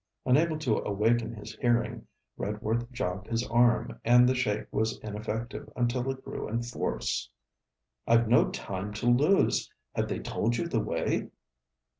Unable to awaken his hearing, Redworth jogged his arm, and the shake was ineffective until it grew in force. 'I've no time to lose; have they told you the way?'